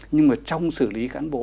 nhưng mà trong xử lý cán bộ